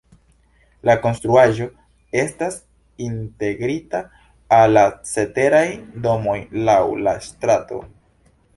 La konstruaĵo estas integrita al la ceteraj domoj laŭ la strato.